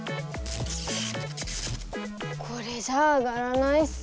これじゃああがらないっす。